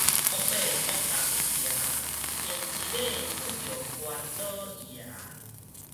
惡馬惡人騎，胭脂馬拄著關老爺